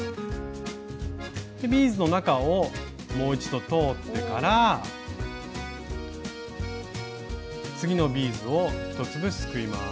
ビーズの中をもう一度通ってから次のビーズを１粒すくいます。